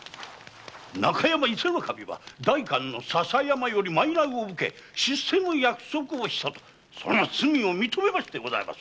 中山伊勢守は代官の笹山より賂を受け出世の約束をしたとその罪を認めましてございます。